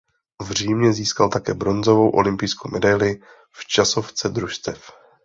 V Římě získal také bronzovou olympijskou medaili v časovce družstev.